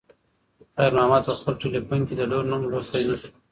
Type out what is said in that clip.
خیر محمد په خپل تلیفون کې د لور نوم لوستی نه شو.